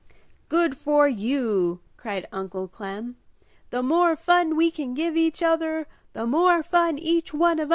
"Good for you!" cried Uncle Clem. "The more fun we can give each other, the more fun each one of us will have!"